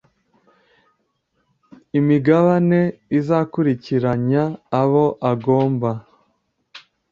imigabane azakurikiranya abo agomba